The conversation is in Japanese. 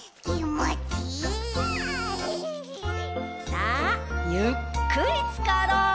さあゆっくりつかろう！